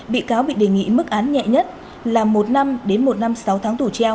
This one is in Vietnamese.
bị cáo bị đề nghị mức án nhẹ nhất là một năm đến một năm sáu tháng